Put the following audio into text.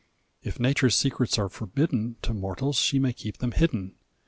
If Nature's secrets are forbidden To mortals, she may keep them hidden.